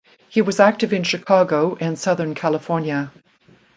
He was active in Chicago and Southern California.